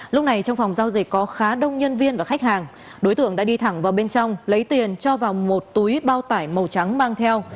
lúc này trong phòng giao dịch có khá đông nhân viên và khách hàng đối tượng đã đi thẳng vào bên trong lấy tiền cho vào một túi bao tải màu trắng mang theo